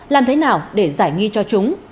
làm thế nào để giải nghi cho chúng